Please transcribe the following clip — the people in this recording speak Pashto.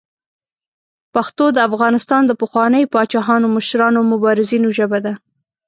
پښتو د افغانستان د پخوانیو پاچاهانو، مشرانو او مبارزینو ژبه ده.